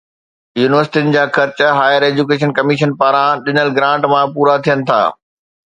يونيورسٽين جا خرچ هائير ايجوڪيشن ڪميشن پاران ڏنل گرانٽ مان پورا ٿين ٿا.